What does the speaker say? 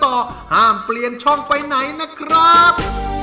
ห้ามเปลี่ยนช่องไปไหนนะครับ